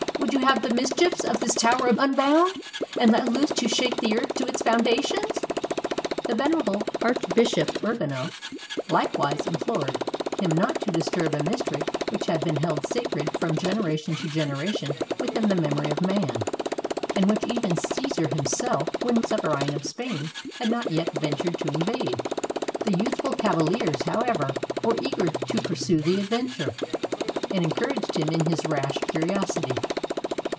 Would you have the mischiefs of this tower unbound, and let loose to shake the earth to its foundations?" The venerable Archbishop Urbino likewise implored him not to disturb a mystery which had been held sa cred from generation to generation within the memory of man, and which even Caesar himself, when sovereign of Spain, had not ventured to invade. The youthful cavaliers, however, were eager to pursue the adventure, and encouraged him in his rash curiosity.